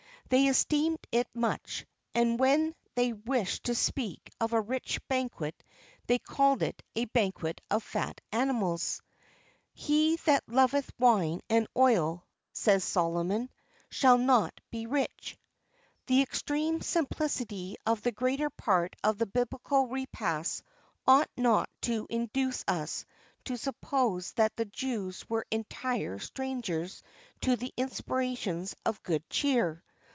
They esteemed it much, and when they wished to speak of a rich banquet, they called it "a banquet of fat animals."[XXX 3] "He that loveth wine and oil,"[R] says Solomon, "shall not be rich."[XXX 4] The extreme simplicity of the greater part of the Biblical repasts ought not to induce us to suppose that the Jews were entire strangers to the inspirations of good cheer.